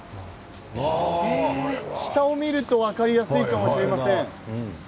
下を見ると分かりやすいかもしれません。